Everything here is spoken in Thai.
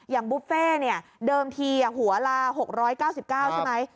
อย่างบุฟเฟต์เนี่ยเดิมทีอย่างหัวลา๖๙๙ใช่ไหม